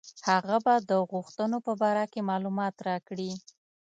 هغه به د غوښتنو په باره کې معلومات راکړي.